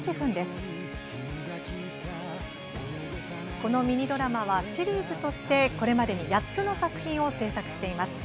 このミニドラマはシリーズとしてこれまでに８つの作品を制作しています。